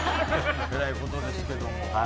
えらいことですけども。